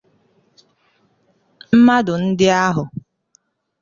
Mmadụ ndị ahụ